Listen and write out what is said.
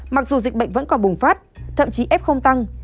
mặc dù dịch bệnh vẫn còn bùng phát thậm chí f không tăng